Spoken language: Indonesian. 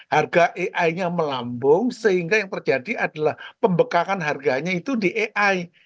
harga ai nya melambung sehingga yang terjadi adalah pembekakan harganya itu di ai